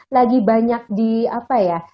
lagi banyak di apa ya